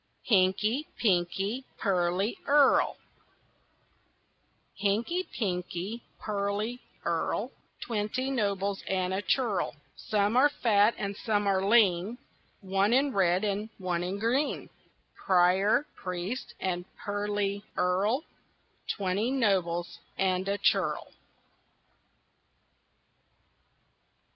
HINKY, PINKY, PEARLY EARL Hinky, pinky, pearly earl, Twenty nobles and a churl; Some are fat and some are lean, One in red and one in green Prior, priest, and pearly earl, Twenty nobles and a churl.